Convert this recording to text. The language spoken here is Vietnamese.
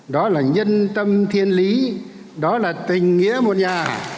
đó là nhân tâm thiên lý đó là tình nghĩa một nhà